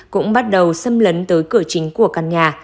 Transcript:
cũng bắt đầu xâm lấn tới cửa chính của căn nhà